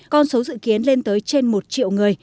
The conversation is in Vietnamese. con số dự kiến lên tới trên một triệu